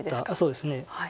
そうですね。